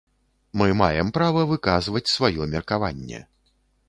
Мы маем права выказваць сваё меркаванне.